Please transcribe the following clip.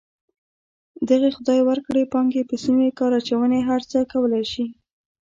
دغې خدای ورکړې پانګې په سمې کار اچونې هر څه کولی شي.